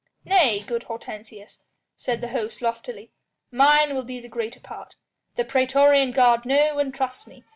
"Nay, good Hortensius," said the host loftily, "mine will be the greater part. The praetorian guard know and trust me.